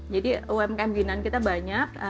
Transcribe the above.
jadi umkm ginan kita banyak